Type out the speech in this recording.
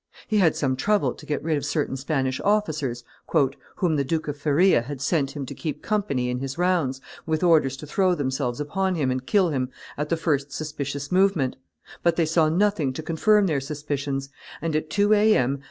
He had some trouble to get rid of certain Spanish officers, "whom the Duke of Feria had sent him to keep him company in his rounds, with orders to throw themselves upon him and kill him at the first suspicious movement; but they saw nothing to confirm their suspicions, and at two A. M.